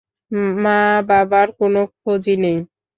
মা-বাবার কোনো খোঁজই নেই।